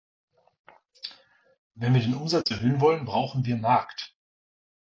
Wenn wir den Umsatz erhöhen wollen, brauchen wir Markt.